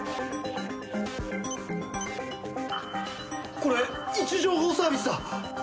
これ位置情報サービスだ！